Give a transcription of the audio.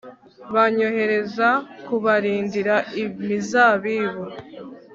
banyohereza kubarindira imizabibu